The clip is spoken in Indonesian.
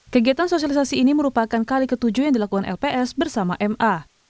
kegiatan sosialisasi ini merupakan kali ketujuh yang dilakukan lps bersama ma